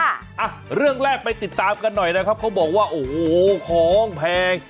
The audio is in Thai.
อ่ะเรื่องแรกไปติดตามกันหน่อยนะครับเขาบอกว่าโอ้โหของแพง